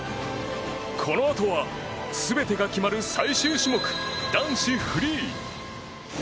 このあとは、全てが決まる最終種目、男子フリー。